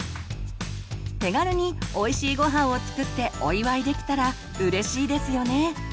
手軽においしいごはんを作ってお祝いできたらうれしいですよね。